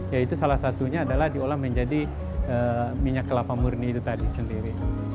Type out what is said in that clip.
yaitu salah satunya adalah diolah menjadi minyak kelapa murni itu tadi sendiri